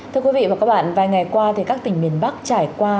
thưa quý vị và các bạn vài ngày qua thì các tỉnh miền bắc trải qua